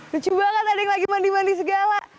lucu banget ada yang lagi mandi mandi segala